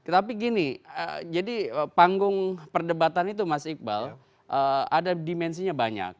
tapi gini jadi panggung perdebatan itu mas iqbal ada dimensinya banyak